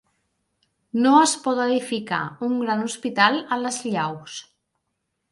No es pot edificar un gran hospital a les Llaus.